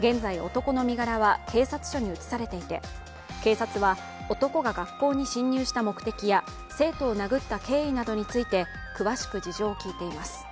現在、男の身柄は警察署に移されていて、警察は男が学校に侵入した目的や生徒を殴った経緯などについて詳しく事情を聞いています。